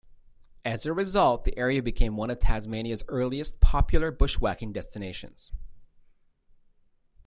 As a result, the area became one of Tasmania's earliest popular bushwalking destinations.